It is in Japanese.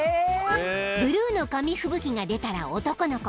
［ブルーの紙吹雪が出たら男の子］